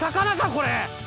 これ。